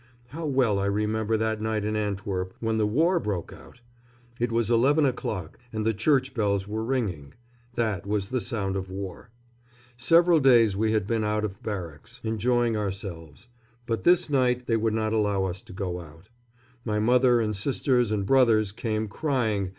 How well I remember that night in Antwerp when the war broke out! It was eleven o'clock and the church bells were ringing. That was the sound of war. Several days we had been out of barracks, enjoying ourselves; but this night they would not allow us to go out. My mother and sisters and brothers came, crying.